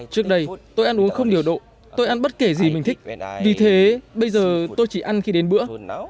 trước đây tôi ăn uống không điều độ tôi ăn bất kể gì mình thích vì thế bây giờ tôi chỉ ăn khi đến bữa